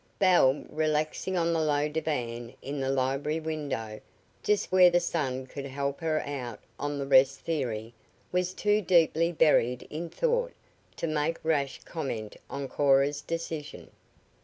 Belle, "relaxing" on the low divan in the library window, just where the sun could help her out on the rest theory, was too deeply buried in thought to make rash comment on Cora's decision.